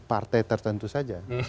partai tertentu saja